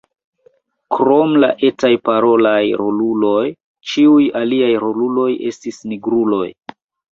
Krom la etaj parolaj roluloj, ĉiuj aliaj roluloj estas nigruloj.